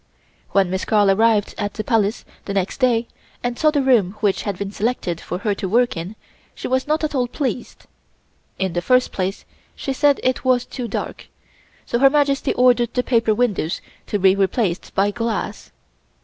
When Miss Carl arrived at the Palace the next day and saw the room which had been selected for her to work in, she was not at all pleased. In the first place she said it was too dark, so Her Majesty ordered the paper windows to be replaced by glass.